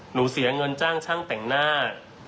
เสียเงินจ้างช่างแต่งหน้า